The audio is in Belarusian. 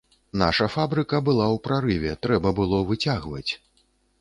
Наша фабрыка была ў прарыве, трэба было выцягваць.